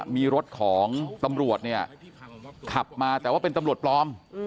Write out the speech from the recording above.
มีรถของตำรวจเนี่ยขับมาแต่ว่าเป็นตำรวจปลอม